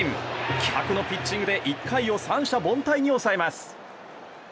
気迫のピッチングで１回を三者凡退に抑えます。